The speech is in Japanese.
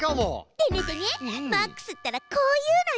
でねでねマックスったらこう言うのよ。